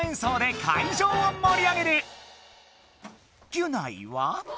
ギュナイは？